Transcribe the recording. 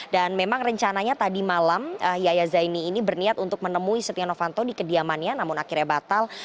memang rencananya tadi malam yaya zaini ini berniat untuk menemui setia novanto di kediamannya namun akhirnya batal